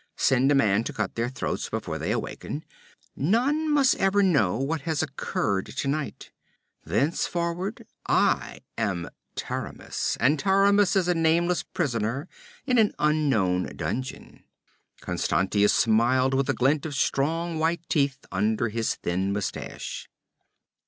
Send a man to cut their throats before they can awaken. None must ever know what has occurred tonight. Thenceforward I am Taramis, and Taramis is a nameless prisoner in an unknown dungeon.' Constantius smiled with a glint of strong white teeth under his thin mustache.